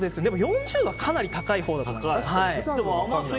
４０度はかなり高いほうだと思います。